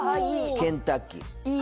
ケンタッキーいい！